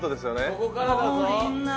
ここからだぞ。